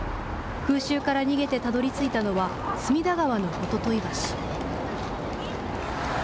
空襲から逃げてたどりついたのは隅田川の言問橋。